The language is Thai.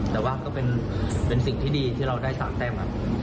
แต่ว่าก็เป็นสิ่งที่ดีที่เราได้๓แต้ม